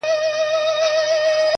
ګرم مي و نه بولی چي شپه ستایمه ,